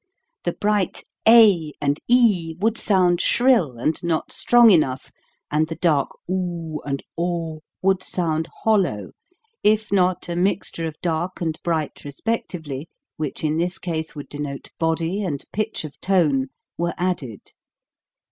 The bright a and e would sound shrill and not strong enough, and the dark oo and 5 would sound hollow, if not a mixture of dark and bright respectively, which in this case would denote body and pitch of tone, were added.